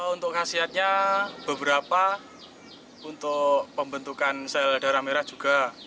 untuk khasiatnya beberapa untuk pembentukan sel darah merah juga